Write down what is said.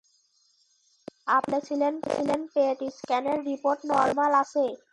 আপনি তো বলেছিলেন পেট স্ক্যানের রিপোর্ট নরমাল আছে।